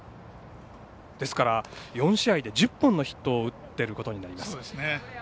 ですから４試合で１０本のヒットを打っていることになります。